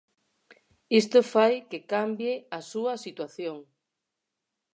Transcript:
Isto fai que cambie a súa situación.